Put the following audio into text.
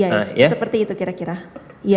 ya seperti itu kira kira